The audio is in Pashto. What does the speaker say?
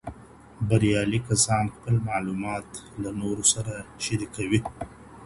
بریالي کسان خپل معلومات له نورو سره شریکوي.